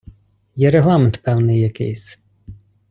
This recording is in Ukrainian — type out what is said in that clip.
Є регламент певний якийсь.